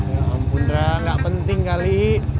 ya ampun rak gak penting kali